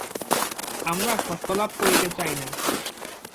আমরা সত্যলাভ করিতে চাই না।